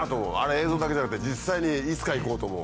映像だけじゃなくて実際にいつか行こうと思う。